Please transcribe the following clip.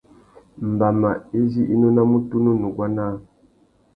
Mbama izí i nônamú tunu nuguá naā.